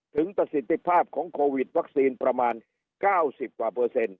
ประสิทธิภาพของโควิดวัคซีนประมาณ๙๐กว่าเปอร์เซ็นต